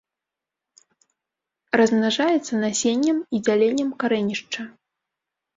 Размнажаецца насеннем і дзяленнем карэнішча.